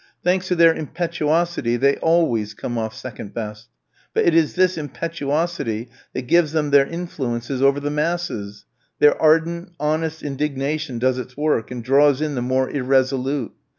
Thanks to their impetuosity they always come off second best; but it is this impetuosity that gives them their influences over the masses; their ardent, honest indignation does its work, and draws in the more irresolute.